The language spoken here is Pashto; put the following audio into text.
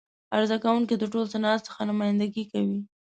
عرضه کوونکی د ټول صنعت څخه نمایندګي کوي.